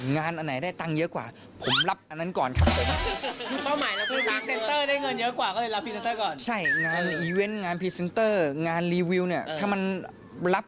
อันไหนได้ตังค์เยอะกว่าผมรับอันนั้นก่อนครับ